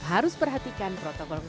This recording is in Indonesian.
sampai ketemu lagi